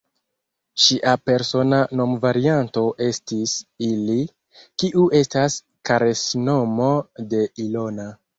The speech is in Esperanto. Ŝia persona nomvarianto estis "Ili," kiu estas karesnomo de Ilona.